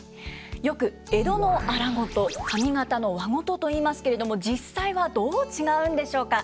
よく江戸の荒事上方の和事といいますけれども実際はどう違うんでしょうか？